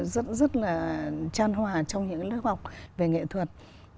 rất rất là tràn hòa trong những lớp học về nghệ thuật